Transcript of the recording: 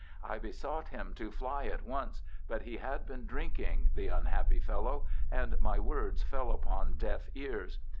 I besought him to fly at once, but he had been drinking, the unhappy fellow, and my words fell upon deaf ears.